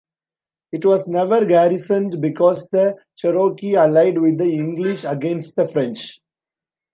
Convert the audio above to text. It was never garrisoned because the Cherokee allied with the English against the French.